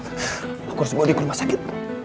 aku harus bawa dia ke rumah sakit